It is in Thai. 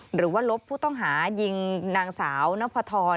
หรือว่าลบผู้ต้องหายิงนางสาวนพธร